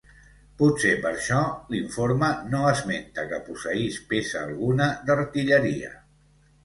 Potser per això l'informe no esmenta que posseís peça alguna d'artilleria.